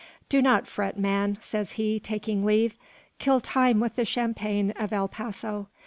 "Do not fret, man," says he, taking leave. "Kill time with the champagne of El Paso.